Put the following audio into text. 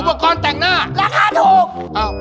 อุปกรณ์แต่งหน้าราคาถูก